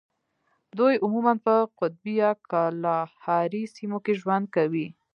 دوی عموماً په قطبي یا کالاهاري سیمو کې ژوند کوي.